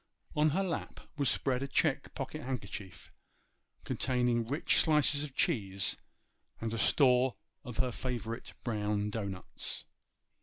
On her lap was spread a check pocket handkerchief, containing rich slices of cheese and a store of her favourite brown dough nuts.